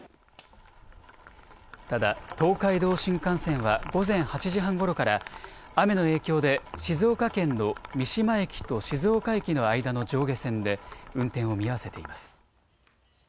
ただ東海道新幹線は午前８時半ごろから雨の影響で静岡県の三島駅と静岡駅の間の上下線で運転を見合わせています。